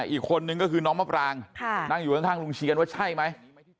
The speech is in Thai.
อีกคนนึงก็คือน้องมะปรางนั่งอยู่ข้างลุงเชียนว่าใช่ไหม